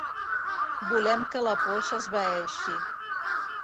Volem que la por s’esvaeixi.